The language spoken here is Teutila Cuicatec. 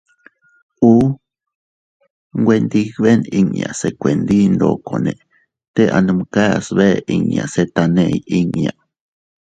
Uʼu.- Nwe ndibeʼn inña se kuendi ndokone te anumkas bee inña se taney inña.